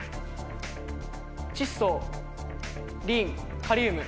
チッ素リンカリウム。